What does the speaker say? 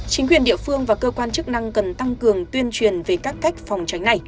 chính quyền địa phương và cơ quan chức năng cần tăng cường tuyên truyền về các cách phòng tránh này